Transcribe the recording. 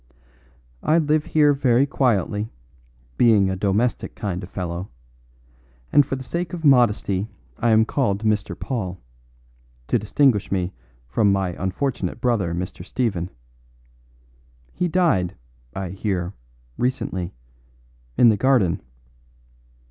"I live here very quietly, being a domestic kind of fellow; and for the sake of modesty I am called Mr. Paul, to distinguish me from my unfortunate brother Mr. Stephen. He died, I hear, recently in the garden.